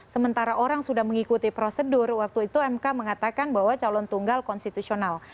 sementara orang sudah mengikuti prosedur waktu itu mk mengatakan bahwa calon tunggal konstitusional